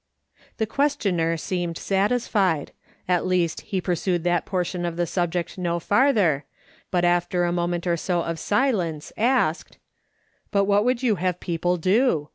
The questioner seemed satisfied ; at least he pur sued that portion of the subject no farther, but after a moment or so of silence asked :" But what would you have people do